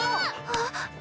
あっ。